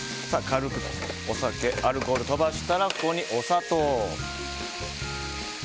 軽くお酒のアルコールを飛ばしたらここにお砂糖。